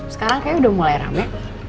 sekarang kayaknya udah mulai rame